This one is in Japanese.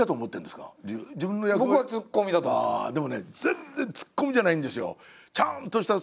でもね全然ツッコミじゃないんですよ。